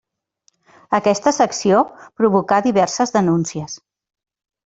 Aquesta secció provocà diverses denúncies.